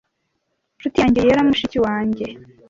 nshuti yanjye yera mushiki wanjye